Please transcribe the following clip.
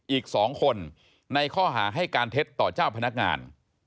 อีก๒คนในข้อหาให้การเท็จต่อเจ้าพนักงาน